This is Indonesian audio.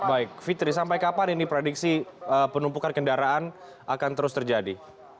baik fitri sampai kapan ini prediksi penumpukan kendaraan akan terus terjadi